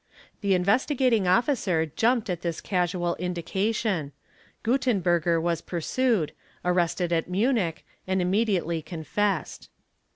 The Investigating Officer jumped at this casual indication; Guttenberger was pursued, arrested at Munich, ane immediately confessed.